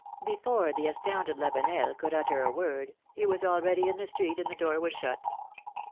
Before the astounded Lavenel could utter a word, he was already in the street and the door was shut.